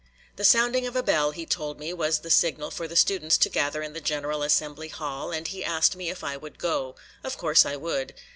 The sounding of a bell, he told me, was the signal for the students to gather in the general assembly hall, and he asked me if I would go. Of course I would.